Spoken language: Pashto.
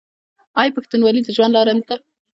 آیا پښتونولي د ژوند لاره نه ده؟